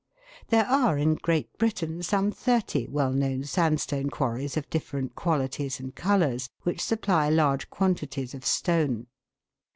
There are in Great Britain some thirty well known sand stone quarries of different qualities and colours, which supply large quantities of stone.